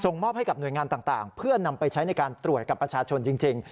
มอบให้กับหน่วยงานต่างเพื่อนำไปใช้ในการตรวจกับประชาชนจริง